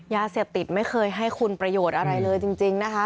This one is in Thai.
ยาเสพติดไม่เคยให้คุณประโยชน์อะไรเลยจริงนะคะ